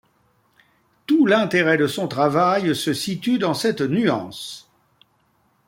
Tout l’intérêt de son travail se situe dans cette nuance.